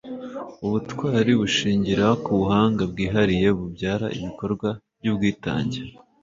ubutwari bushingira ku buhanga bwihariye bubyara ibikorwa by'ubwitange